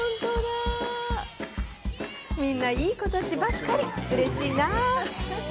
みな、いい子たちばかり、うれしいなぁ。